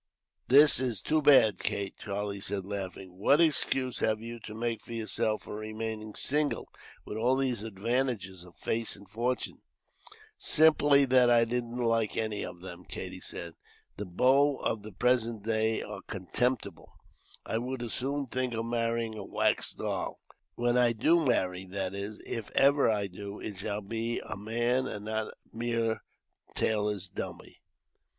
"This is too bad, Kate," Charlie said, laughing. "What excuse have you to make for yourself for remaining single, with all these advantages of face and fortune?" "Simply that I didn't like any of them," Katie said. "The beaux of the present day are contemptible. I would as soon think of marrying a wax doll. When I do marry; that is, if ever I do, it shall be a man, and not a mere tailor's dummy."